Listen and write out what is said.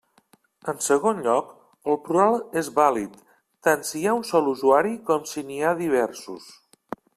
En segon lloc, el plural és vàlid, tant si hi ha un sol usuari com si n'hi ha diversos.